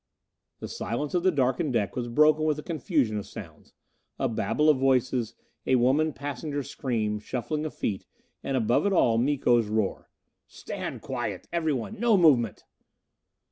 The silence of the darkened deck was broken with a confusion of sounds. A babble of voices; a woman passenger's scream; shuffling of feet; and above it all, Miko's roar: "Stand quiet! Everyone! No movement!"